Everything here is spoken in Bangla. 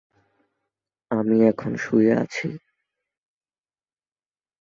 তিনি গ্রামবাসীকে নিয়ে ভাঙ্গা মসজিদটির কিছু মেরামত এবং এলাকার গণ্যমান্য ব্যক্তিদের নিয়ে কমিটি গঠন করেন।